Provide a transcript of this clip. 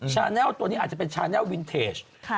แนลตัวนี้อาจจะเป็นชาแนลวินเทจ